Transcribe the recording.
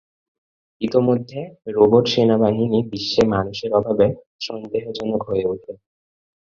ইতোমধ্যে, রোবট সেনাবাহিনী বিশ্বে মানুষের অভাবে সন্দেহজনক হয়ে ওঠে।